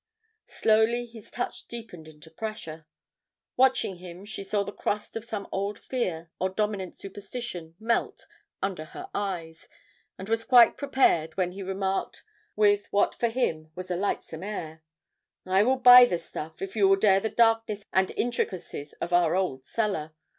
Slowly his touch deepened into pressure. Watching him she saw the crust of some old fear or dominant superstition melt under her eyes, and was quite prepared, when he remarked, with what for him was a lightsome air: "I will buy the stuff, if you will dare the darkness and intricacies of our old cellar.